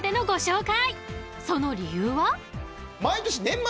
［その理由は］